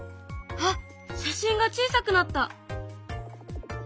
あっ写真が小さくなった。